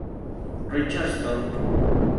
Richard Story".